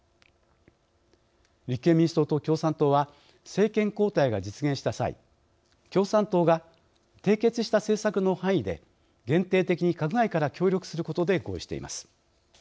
立憲民主党と共産党は政権交代が実現した際共産党が締結した政策の範囲で限定的に閣外から協力することで合意しています。